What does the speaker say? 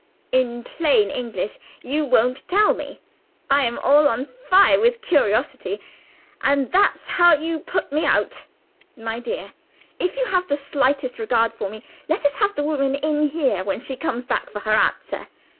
"In plain English, you won't tell me? I am all on fire with curiosity and that's how you put me out! My dear, if you have the slightest regard for me, let us have the woman in here when she comes back for her answer.